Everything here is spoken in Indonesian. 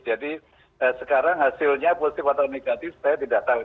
jadi sekarang hasilnya positif atau negatif saya tidak tahu